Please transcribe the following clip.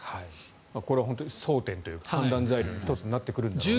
これは本当に争点というか判断材料の１つになってくるんだろうなと。